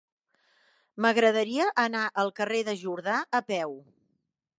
M'agradaria anar al carrer de Jordà a peu.